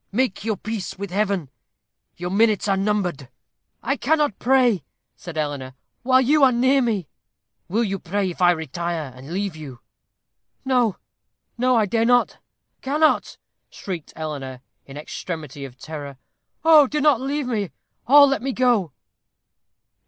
"Make your peace with Heaven. Your minutes are numbered." "I cannot pray," said Eleanor, "while you are near me." "Will you pray if I retire and leave you?" "No, no. I dare not cannot," shrieked Eleanor, in extremity of terror. "Oh! do not leave me, or let me go."